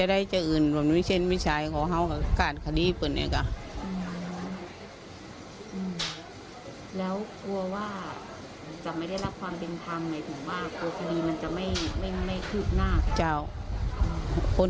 ถึงก่อนต้องไม่ได้ทำต้องเป็นประหลาดก่อน